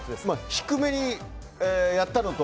低めにやったのと。